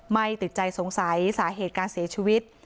ไม่ติดใจสงสัยสาเหตุการเสียชีวิต